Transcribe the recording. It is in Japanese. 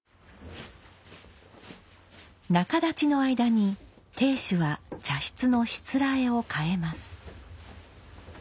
中立の間に亭主は茶室のしつらえを替えます。